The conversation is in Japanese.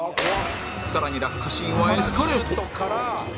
更に落下シーンはエスカレート